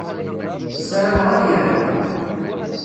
Ssarameɣ ad yerbeḥ.